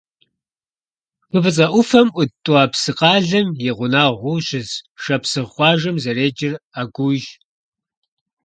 Хы ФIыцIэ Iуфэм Iут ТIуапсы къалэм и гъунэгъуу щыс шапсыгъ къуажэм зэреджэр Агуийщ.